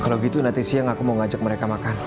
kalau gitu nanti siang aku mau ngajak mereka makan